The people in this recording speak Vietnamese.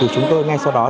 chúng tôi ngay sau đó